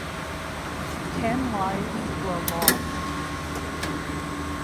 Ten lives were lost.